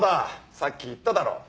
さっき言っただろ。